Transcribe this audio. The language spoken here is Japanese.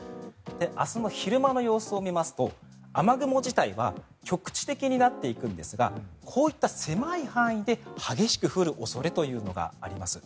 明日の昼間の様子を見ますと雨雲自体は局地的になっていくんですがこういった狭い範囲で激しく降る恐れというのがあります。